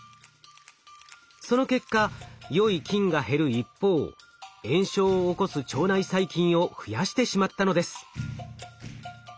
その結果よい菌が減る一方炎症を起こす腸内細菌を増やしてしまったのです。